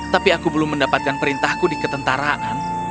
tapi aku belum mendapatkan perintahku di ketentaraan